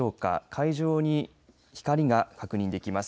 海上に光が確認できます。